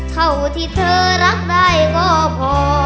เท่าที่เธอรักได้ก็พอ